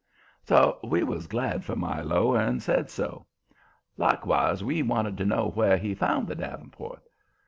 So we was glad for Milo and said so. Likewise we wanted to know where he found the davenport.